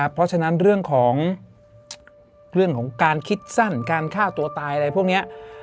เพราะฉะนั้นเรื่องของการคิดสั้นการฆ่าตัวตายอะไรพวกนี้